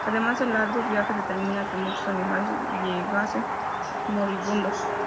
Además, el largo viaje determinaba que muchos animales llegasen moribundos.